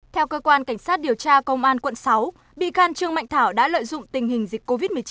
theo cơ quan cảnh sát điều tra công an quận sáu bị can trương mạnh thảo đã lợi dụng tình hình dịch covid một mươi chín